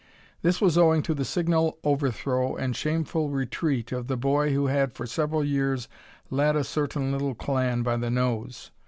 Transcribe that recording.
This was owing to the signal overthrow and shameful retreat of the boy who had for several years led a certain little clan by the nose.